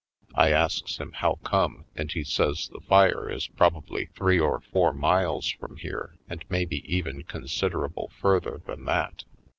I asks him how come, and he says the fire is probably three or four miles from here and maybe even considerable further than that.